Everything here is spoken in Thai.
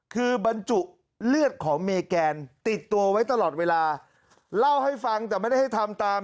คือบรรจุเลือดของเมแกนติดตัวไว้ตลอดเวลาเล่าให้ฟังแต่ไม่ได้ให้ทำตาม